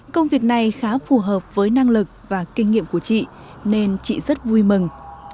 công việc này khá phù hợp với năng lực và kinh nghiệm của chị nên chị rất vui mừng